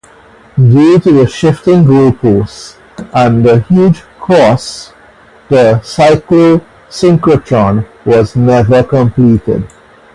Due to shifting goalposts and huge costs the cyclo-synchrotron was never completed.